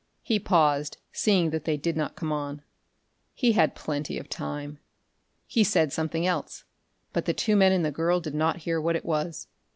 He paused, seeing that they did not come on. He had plenty of time. He said something else, but the two men and the girl did not hear what it was.